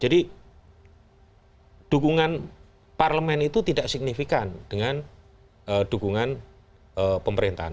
jadi dukungan parlement itu tidak signifikan dengan dukungan pemerintahan